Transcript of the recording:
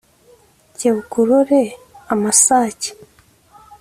Kebuka urore amasake